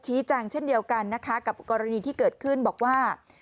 แจ้งเช่นเดียวกันนะคะกับกรณีที่เกิดขึ้นบอกว่า